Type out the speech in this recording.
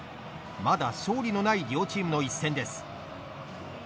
まだ勝利のない両チームの一戦です。